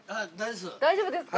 大丈夫です。